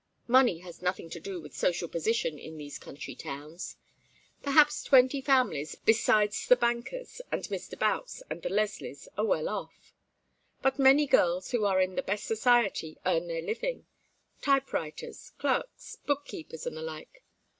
Money has nothing to do with social position in these country towns. Perhaps twenty families besides the bankers and Mr. Boutts, and the Leslies, are well off. But many girls who are in the best society earn their living: typewriters, clerks, book keepers, and the like.